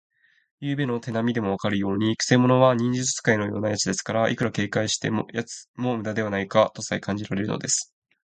ゆうべの手なみでもわかるように、くせ者は忍術使いのようなやつですから、いくら警戒してもむだではないかとさえ感じられるのです。